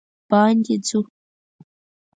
باندې ځو